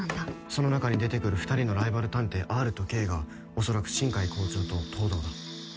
その中に出てくる２人のライバル探偵ＲとＫがおそらく新偕校長と東堂だ。